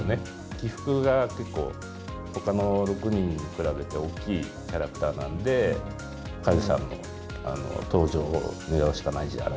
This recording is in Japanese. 起伏が結構、ほかの６人に比べて大きいキャラクターなので、梶さんの登場をね